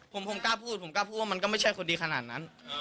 ผมคงกล้าพูดผมกล้าพูดว่ามันก็ไม่ใช่คนดีขนาดนั้น